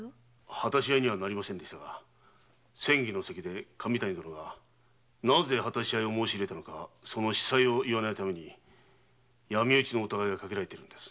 果たし合いにはなりませんでしたが詮議の席で神谷殿はなぜ果たし合いを申し入れたのかその子細を言わないために闇討ちの疑いがかけられているのです。